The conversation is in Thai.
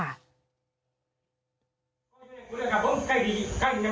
นี่คุณผู้ชมนี่คือพระลูกวัดรูปที่บอกว่ามีอาการหลอนนะคะ